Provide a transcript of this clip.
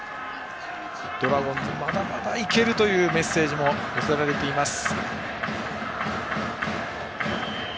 ドラゴンズまだまだ行けるというメッセージも寄せられています。